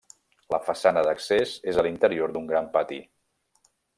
La façana d'accés és a l'interior d'un gran pati.